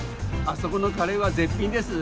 あそこのカレーは絶品です。